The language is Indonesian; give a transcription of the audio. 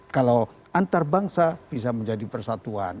kalau antar bangsa bisa menjadi persatuan